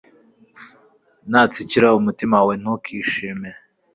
natsikira umutima wawe ntukishime